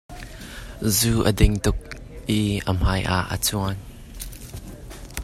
Zu a ding tuk i a hmai a cuam.